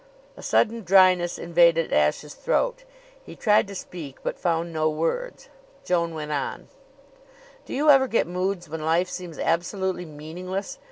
A sudden dryness invaded Ashe's throat. He tried to speak, but found no words. Joan went on: "Do you ever get moods when life seems absolutely meaningless?